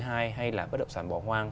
hay là bất động sản bỏ hoang